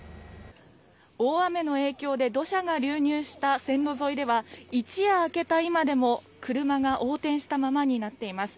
大雨の影響で土砂が流入した線路沿いでは一夜明けた今でも車が横転したままになっています。